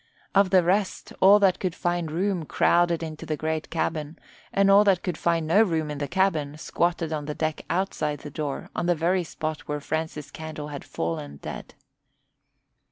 Of the rest, all that could find room crowded into the great cabin, and all that could find no room in the cabin squatted on the deck outside the door on the very spot where Francis Candle had fallen dead.